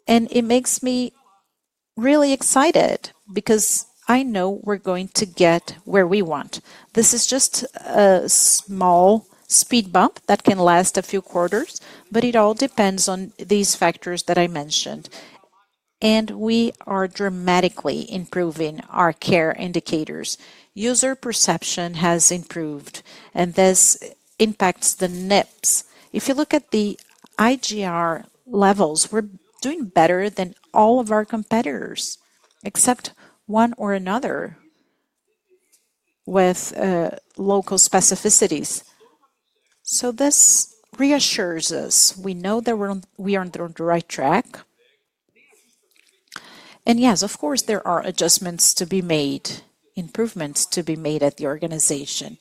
It makes me really excited because I know we are going to get where we want. This is just a small speed bump that can last a few quarters, but it all depends on these factors that I mentioned. We are dramatically improving our care indicators. User perception has improved, and this impacts the NIBS. If you look at the IGR levels, we are doing better than all of our competitors, except one or another with local specificities. This reassures us. We know that we are on the right track. Yes, of course, there are adjustments to be made, improvements to be made at the organization.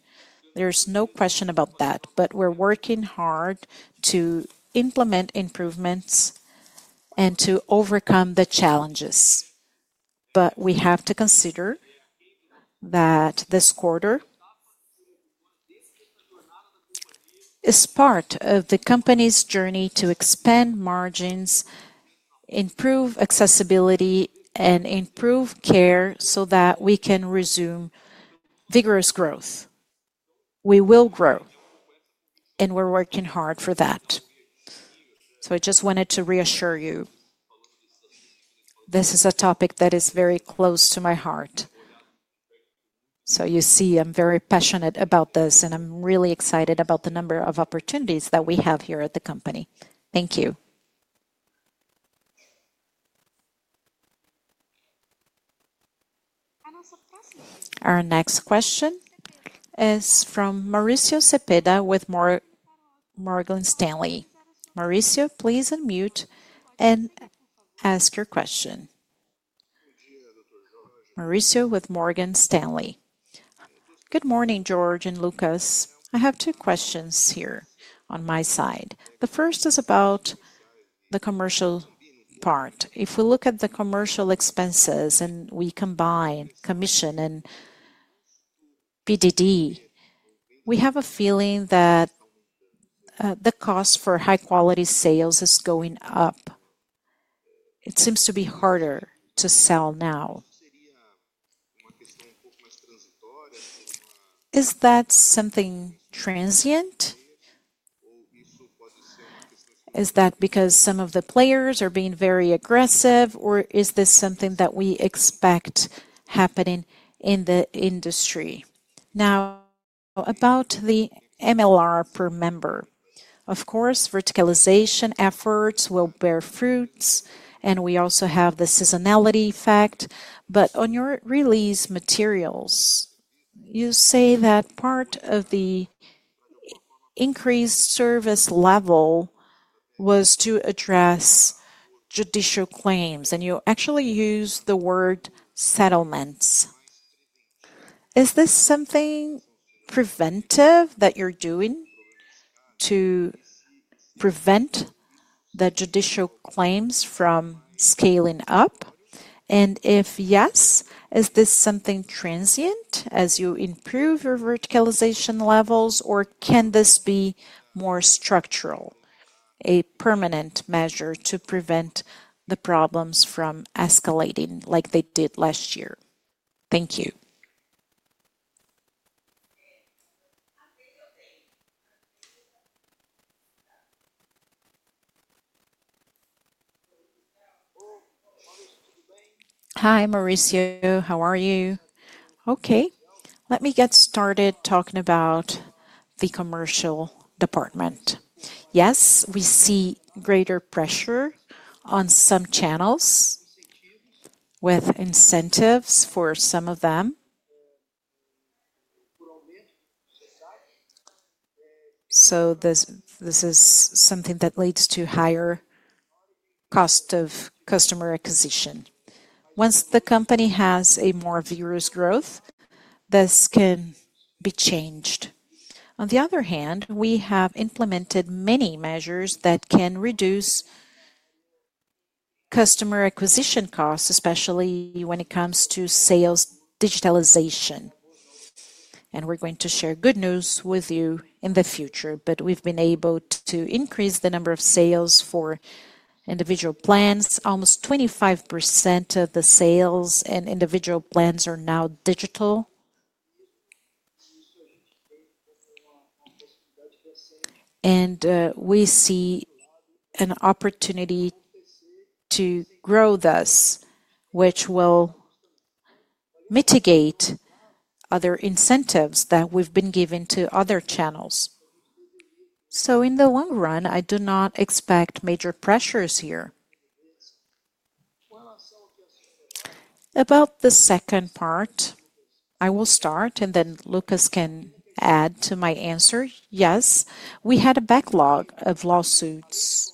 There is no question about that, but we are working hard to implement improvements and to overcome the challenges. But we have to consider that this quarter is part of the company's journey to expand margins, improve accessibility, and improve care so that we can resume vigorous growth. We will grow, and we're working hard for that. I just wanted to reassure you. This is a topic that is very close to my heart. You see, I'm very passionate about this, and I'm really excited about the number of opportunities that we have here at the company. Thank you. Our next question is from Mauricio Cepeda with Morgan Stanley. Mauricio, please unmute and ask your question. Mauricio with Morgan Stanley. Good morning, George and Lucas. I have two questions here on my side. The first is about the commercial part. If we look at the commercial expenses and we combine commission and PDD, we have a feeling that the cost for high-quality sales is going up. It seems to be harder to sell now. Is that something transient? Is that because some of the players are being very aggressive, or is this something that we expect happening in the industry? Now, about the MLR per member. Of course, verticalization efforts will bear fruits, and we also have the seasonality effect. In your release materials, you say that part of the increased service level was to address judicial claims, and you actually use the word settlements. Is this something preventive that you're doing to prevent the judicial claims from scaling up? If yes, is this something transient as you improve your verticalization levels, or can this be more structural, a permanent measure to prevent the problems from escalating like they did last year? Thank you. Hi, Mauricio. How are you? Okay. Let me get started talking about the commercial department. Yes, we see greater pressure on some channels with incentives for some of them. This is something that leads to higher cost of customer acquisition. Once the company has more viewers' growth, this can be changed. On the other hand, we have implemented many measures that can reduce customer acquisition costs, especially when it comes to sales digitalization. We are going to share good news with you in the future, but we have been able to increase the number of sales for individual plans. Almost 25% of the sales in individual plans are now digital. We see an opportunity to grow this, which will mitigate other incentives that we have been giving to other channels. In the long run, I do not expect major pressures here. About the second part, I will start, and then Lucas can add to my answer. Yes, we had a backlog of lawsuits.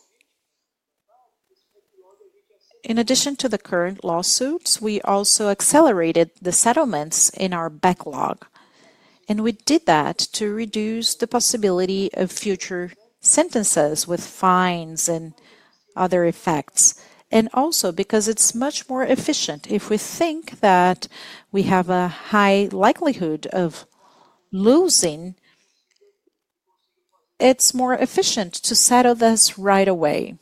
In addition to the current lawsuits, we also accelerated the settlements in our backlog. We did that to reduce the possibility of future sentences with fines and other effects. It is also much more efficient. If we think that we have a high likelihood of losing, it is more efficient to settle this right away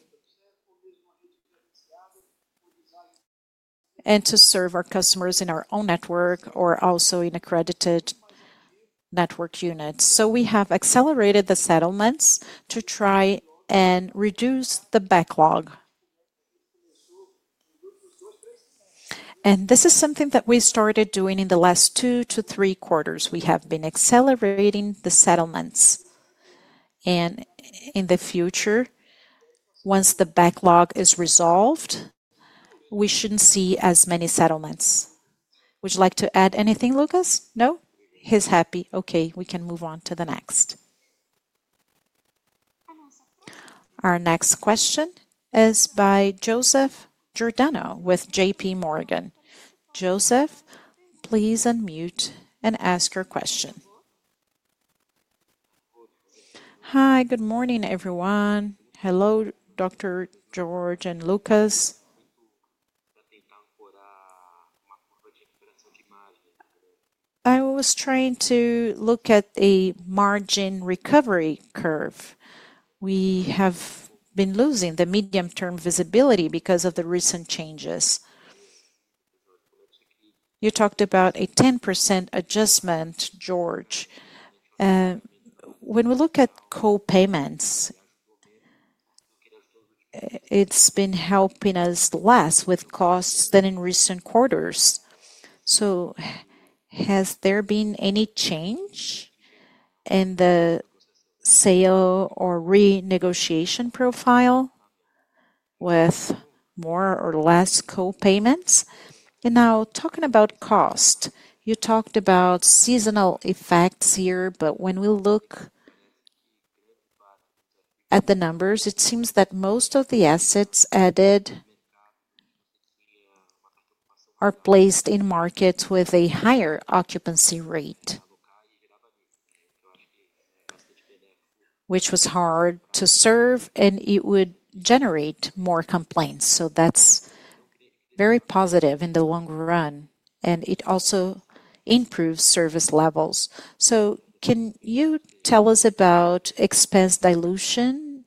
and to serve our customers in our own network or also in accredited network units. We have accelerated the settlements to try and reduce the backlog. This is something that we started doing in the last two to three quarters. We have been accelerating the settlements. In the future, once the backlog is resolved, we should not see as many settlements. Would you like to add anything, Lucas? No? He is happy. Okay, we can move on to the next. Our next question is by Joseph Giordano with JP Morgan. Joseph, please unmute and ask your question. Hi, good morning, everyone. Hello, Dr. George and Lucas. I was trying to look at the margin recovery curve. We have been losing the medium-term visibility because of the recent changes. You talked about a 10% adjustment, George. When we look at co-payments, it's been helping us less with costs than in recent quarters. Has there been any change in the sale or renegotiation profile with more or less co-payments? Now talking about cost, you talked about seasonal effects here, but when we look at the numbers, it seems that most of the assets added are placed in markets with a higher occupancy rate, which was hard to serve, and it would generate more complaints. That is very positive in the long run, and it also improves service levels. Can you tell us about expense dilution?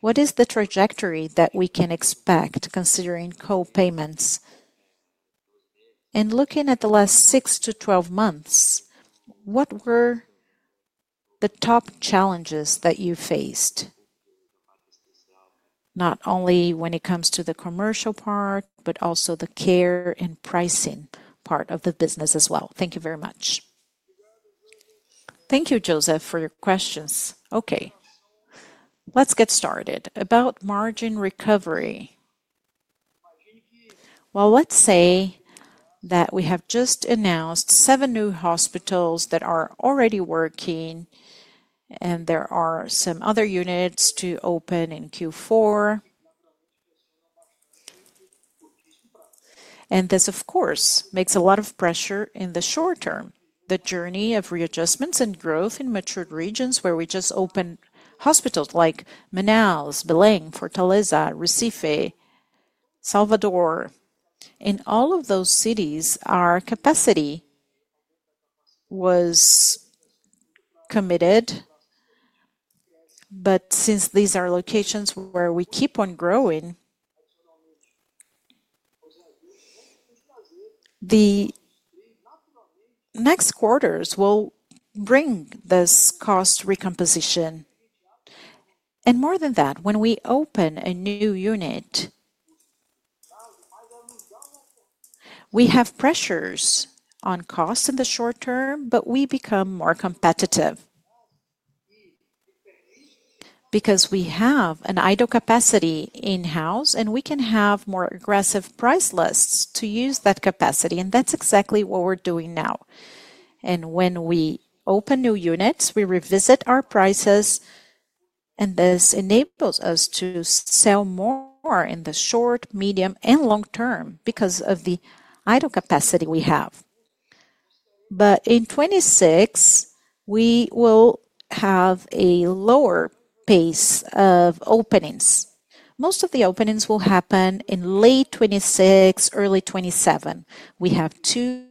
What is the trajectory that we can expect considering co-payments? And looking at the last 6 to 12 months, what were the top challenges that you faced, not only when it comes to the commercial part, but also the care and pricing part of the business as well? Thank you very much. Thank you, Joseph, for your questions. Okay, let's get started. About margin recovery. Let's say that we have just announced seven new hospitals that are already working, and there are some other units to open in Q4. This, of course, makes a lot of pressure in the short term. The journey of readjustments and growth in mature regions where we just opened hospitals like Manaus, Belém, Fortaleza, Recife, Salvador. In all of those cities, our capacity was committed. Since these are locations where we keep on growing, the next quarters will bring this cost recomposition. More than that, when we open a new unit, we have pressures on cost in the short term, but we become more competitive because we have an idle capacity in-house, and we can have more aggressive price lists to use that capacity. That is exactly what we are doing now. When we open new units, we revisit our prices, and this enables us to sell more in the short, medium, and long term because of the idle capacity we have. In 2026, we will have a lower pace of openings. Most of the openings will happen in late 2026, early 2027. We have two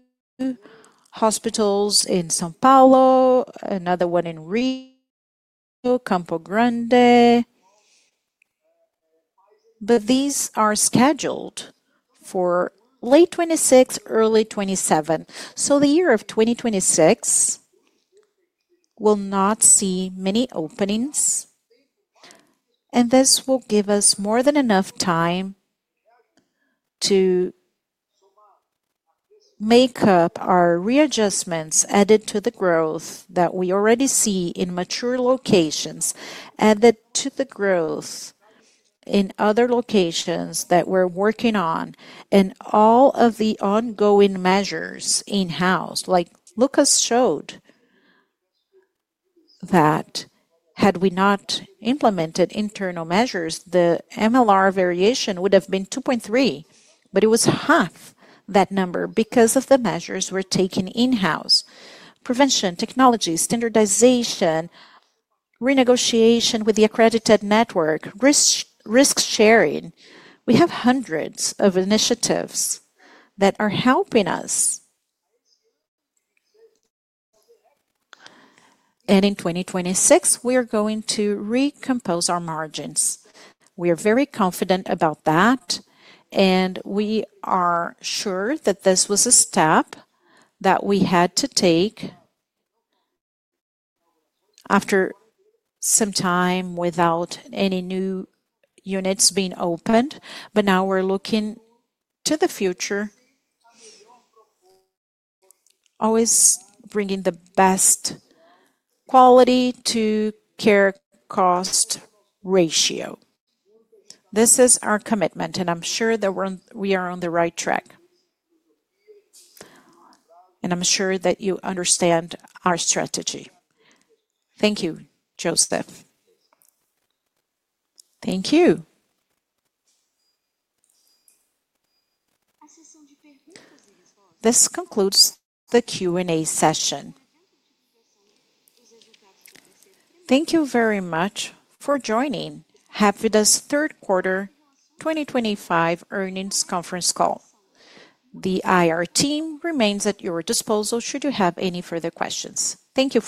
hospitals in São Paulo, another one in Rio, Campo Grande. These are scheduled for late 2026, early 2027. The year of 2026 will not see many openings. This will give us more than enough time to make up our readjustments added to the growth that we already see in mature locations, added to the growth in other locations that we are working on, and all of the ongoing measures in-house. Like Lucas showed, had we not implemented internal measures, the MLR variation would have been 2.3, but it was half that number because of the measures we are taking in-house: prevention, technology, standardization, renegotiation with the accredited network, risk sharing. We have hundreds of initiatives that are helping us. In 2026, we are going to recompose our margins. We are very confident about that, and we are sure that this was a step that we had to take after some time without any new units being opened. Now we are looking to the future, always bringing the best quality to care-cost ratio. This is our commitment, and I'm sure that we are on the right track. I'm sure that you understand our strategy. Thank you, Joseph. Thank you. This concludes the Q&A session. Thank you very much for joining Hapvida's third quarter 2025 earnings conference call. The IR team remains at your disposal should you have any further questions. Thank you.